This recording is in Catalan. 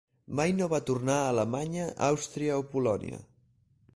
Mai no va tornar a Alemanya, Àustria o Polònia.